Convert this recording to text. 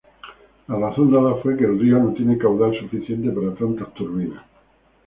La razón dada fue que el río no tiene caudal suficiente para tantas turbinas.